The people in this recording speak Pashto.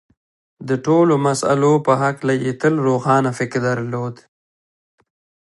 د ټولو مسألو په هکله یې تل روښانه فکر درلود